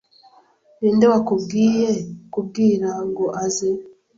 Ninde wakubwiye kubwira ngo aze?